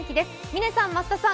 嶺さん、増田さん